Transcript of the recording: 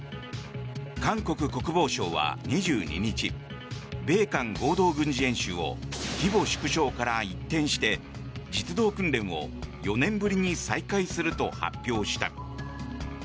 韓国国防省は２２日米韓合同軍事演習を規模縮小から一転して実動訓練を４年ぶりに再開すると発表した。